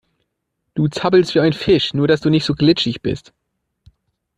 Du zappelst wie ein Fisch, nur dass du nicht so glitschig bist.